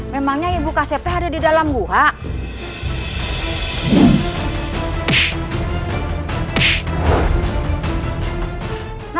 memangnya ibu kasep ada di dalam buah